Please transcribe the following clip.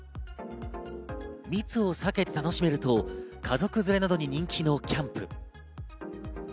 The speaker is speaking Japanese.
密を避けて楽しめると家族連れなどに人気のキャンプ。